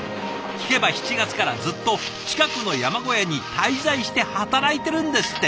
聞けば７月からずっと近くの山小屋に滞在して働いてるんですって。